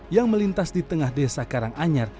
yang melintas di tengah desa karanganyar